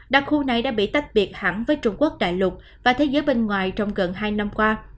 đặc khu này đã bị tách biệt hẳn với trung quốc đại lục và thế giới bên ngoài trong gần hai năm qua